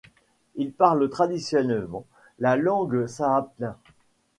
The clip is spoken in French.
Ils parlent traditionnellement la langue sahaptin.